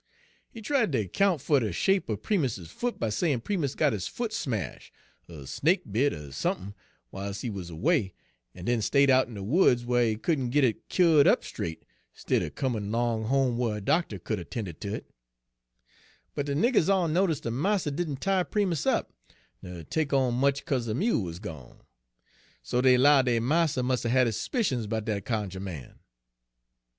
He tried ter 'count fer de shape er Primus' foot by sayin' Primus got his foot smash', er snake bit, er sump'n, w'iles he wuz erway, en den stayed out in de woods whar he couldn' Page 127 git it kyoed up straight, 'stidder comin' long home whar a doctor could 'a' 'tended ter it. But de niggers all notice' dey marster didn' tie Primus up, ner take on much 'ca'se de mule wuz gone. So dey 'lowed dey marster must 'a' had his s'picions 'bout dat cunjuh man."